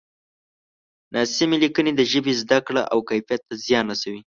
ناسمې لیکنې د ژبې زده کړه او کیفیت ته زیان رسوي.